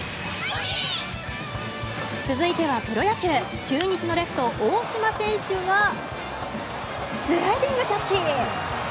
続いてはプロ野球中日のレフト、大島選手がスライディングキャッチ！